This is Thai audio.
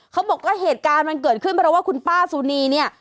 เขาบอกว่าเหตุการณ์มันเกิดขึ้นเพราะว่าคุณป้าสุนีเนี่ย